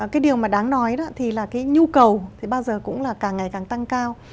cái điều mà đáng nói đó thì là cái nhu cầu thì bao giờ cũng là càng ngày càng tăng cao